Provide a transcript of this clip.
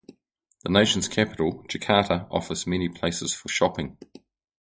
The nation's capital, Jakarta, offers many places for shopping.